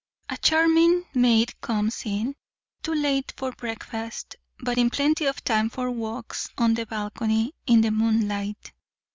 A charming maid comes in too late for breakfast but in plenty of time for walks on the balcony in the moonlight.